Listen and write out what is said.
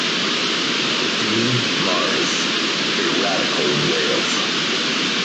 D. Mares: A Radical in Wales.